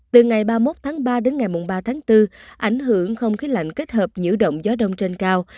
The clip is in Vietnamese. từ ngày ba mươi một tháng ba đến ngày ba tháng bốn ảnh hưởng không khí lạnh kết hợp nhiễu động gió đông trên cao